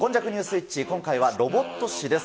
イッチ、今回はロボット史です。